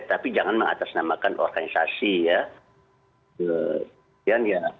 tapi jangan mengatasnamakan organisasi ya